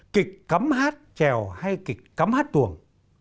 kịch cắm hát trèo hay kịch cắm hát tuồng